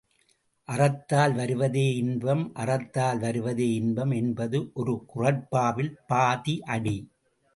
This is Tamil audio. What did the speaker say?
அறத்தால் வருவதே இன்பம் அறத்தால் வருவதே இன்பம் என்பது ஒரு குறட்பாவில் பாதி அடி.